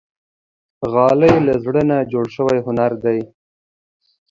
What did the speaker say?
غالۍ له زړه نه جوړ شوی هنر دی.